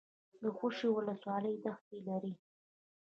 د خوشي ولسوالۍ دښتې لري